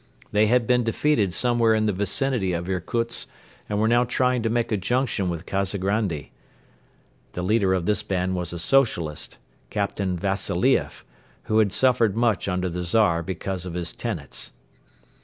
They had been defeated somewhere in the vicinity of Irkutsk and were now trying to make a junction with Kazagrandi. The leader of this band was a socialist, Captain Vassilieff, who had suffered much under the Czar because of his tenets.